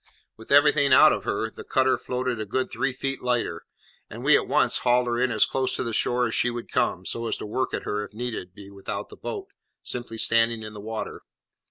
With everything out of her, the cutter floated a good three feet lighter, and we at once hauled her in as close to the shore as she would come, so as to work at her, if need be, without the boat, simply standing in the water.